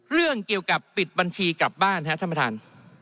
เรื่องเกี่ยวกับปิดบัญชีกลับบ้านครับท่านประธาน